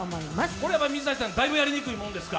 これは水谷さん、だいぶやりづらいものですか？